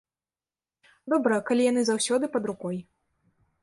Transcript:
Добра, калі яны заўсёды пад рукой.